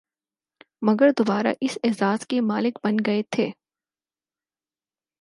مگر دوبارہ اس اعزاز کے مالک بن گئے تھے